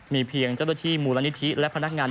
มีเพียงเจ้าท็อตรธีหมู่ละนิทธิและพนักงาน